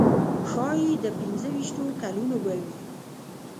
ښایي د پنځه ویشتو کلونو به وي.